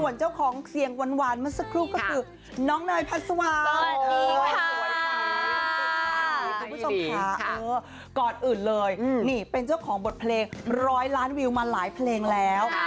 เป็นเจ้าของบทเพลง๑๐๐ล้านวิวมาหลายเพลงแล้ว